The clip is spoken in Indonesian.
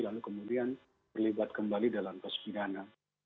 lalu kemudian berlibat kembali dalam pesukianan